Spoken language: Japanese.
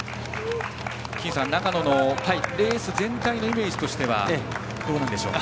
金さん、長野のレース全体のイメージとしてはどうでしょう。